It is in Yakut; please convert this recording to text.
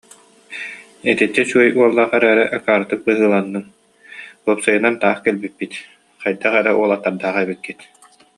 Итиччэ үчүгэй уоллаах эрээри, акаарытык быһыыланныҥ, уопсайынан, таах кэлбиппит, хайдах эрэ уолаттардаах эбиккит